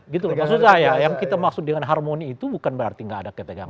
gitu loh maksud saya yang kita maksud dengan harmoni itu bukan berarti nggak ada ketegangan